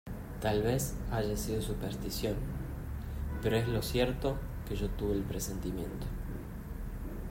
tal vez haya sido superstición, pero es lo cierto que yo tuve el presentimiento.